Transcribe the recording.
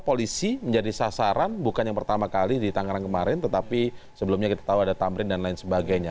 polisi menjadi sasaran bukan yang pertama kali di tangerang kemarin tetapi sebelumnya kita tahu ada tamrin dan lain sebagainya